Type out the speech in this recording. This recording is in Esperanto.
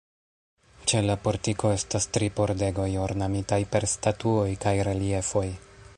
Ĉe la portiko estas tri pordegoj ornamitaj per statuoj kaj reliefoj.